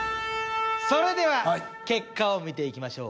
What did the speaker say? それでは結果を見ていきましょう。